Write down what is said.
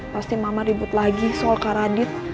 pasti mama ribut lagi soal kak radit